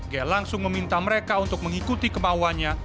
g langsung meminta mereka untuk mengikuti kemauannya